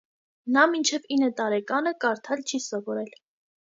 Նա մինչև ինը տարեկանը կարդալ չի սովորել։